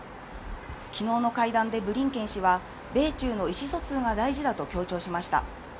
きのうの会談でブリンケン氏は米中の意思疎通が大事だと強調しました。